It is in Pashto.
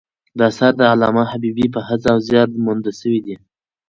دا اثر د علامه حبیبي په هڅه او زیار مونده سوی دﺉ.